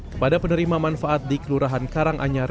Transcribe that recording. kepada penerima manfaat di kelurahan karanganyar